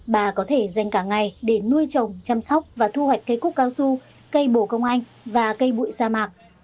bà có thể dành cả ngày để nuôi trồng chăm sóc và thu hoạch cây cúc cao su cây bổ công anh và cây bụi sa mạc